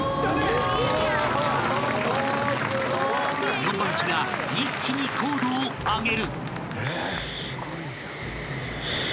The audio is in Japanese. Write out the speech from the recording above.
［４番機が一気に高度を上げる］